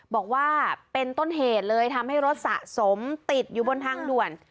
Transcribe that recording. บอกว่าเป็นต้นเหตุเลยทำให้รถสะสมติดอยู่บนทางด่วน